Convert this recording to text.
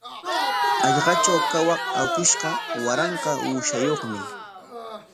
Hallqatraw kawaq awkishqa waranqa uushayuqmi.